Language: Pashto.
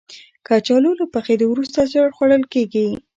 کچالو له پخېدو وروسته ژر خوړل کېږي